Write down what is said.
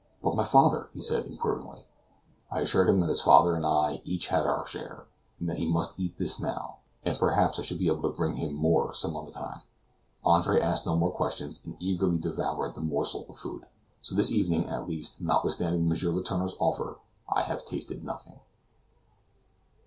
"But my father?" he said, inquiringly. I assured him that his father and I had each had our share, and that he must eat this now, and perhaps I should be able to bring him some more another time. Andre asked no more questions, and eagerly devoured the morsel of food. So this evening at least, notwithstanding M. Letourneur's offer, I have tasted nothing.